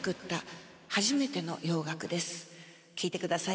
聴いてください。